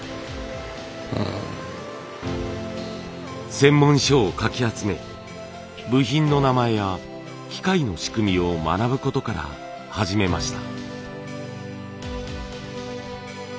専門書をかき集め部品の名前や機械の仕組みを学ぶことから始めました。